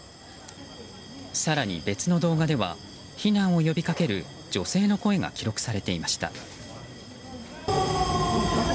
更に別の動画では避難を呼びかける女性の声が記録されていました。